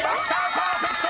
パーフェクト！］